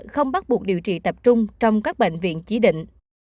không bắt buộc điều trị tập trung trong các bệnh viện chỉ định